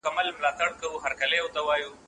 هغه څوک چي مرسته کوي، ستاينه کېږي.